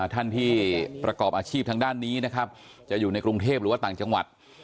ท่านที่ประกอบอาชีพทางด้านนี้นะครับจะอยู่ในกรุงเทพหรือว่าต่างจังหวัด